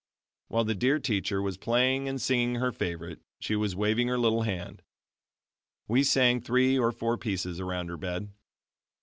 "] While the dear teacher was playing and singing her favorite she was waving her little hand. We sang three or four other pieces around her bed.